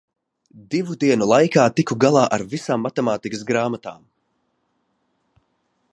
Divu dienu laikā tiku galā ar visām matemātikas grāmatām.